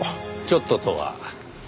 「ちょっと」とは？